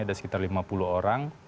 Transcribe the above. ada sekitar lima puluh orang